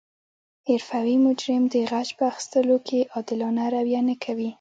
حرفوي مجرم د غچ په اخستلو کې عادلانه رویه نه کوي